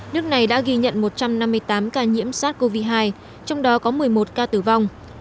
nước này đã ghi nhận một trăm năm mươi tám ca nhiễm sars cov hai trong đó có một mươi một ca tử vong